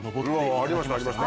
ありましたありました。